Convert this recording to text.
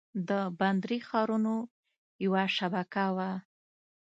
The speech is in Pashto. د بندري ښارونو یوه شبکه وه